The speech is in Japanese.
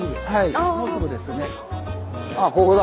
ああここだ。